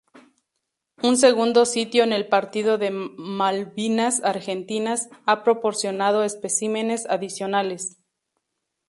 Un segundo sitio en el partido de Malvinas Argentinas, ha proporcionado especímenes adicionales.